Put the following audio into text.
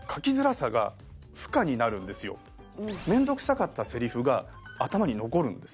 面倒くさかったセリフが頭に残るんです。